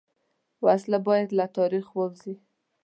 وسله باید له تاریخ ووځي